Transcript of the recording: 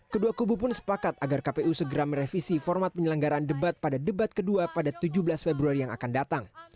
kedua kubu pun sepakat agar kpu segera merevisi format penyelenggaraan debat pada debat kedua pada tujuh belas februari yang akan datang